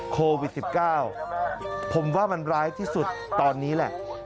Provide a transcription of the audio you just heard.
โควิด๑๙ผมว่ามันร้ายที่สุดตอนนี้แหละ